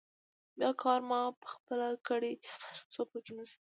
دا کار ما پخپله کړی، بل څوک پکې نشته.